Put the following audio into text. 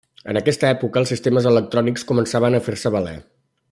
En aquesta època els sistemes electrònics començaven a fer-se valer.